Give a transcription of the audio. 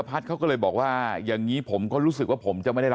ไปไป